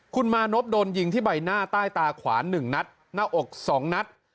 คุณมานพโดนยิงที่ใบหน้าใต้ตาขวา๑นัดหน้าอก๒นัด